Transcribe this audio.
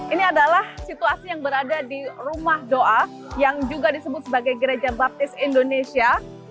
ini adalah situasi yang berada di rumah doa yang juga disebut sebagai gereja baptis indonesia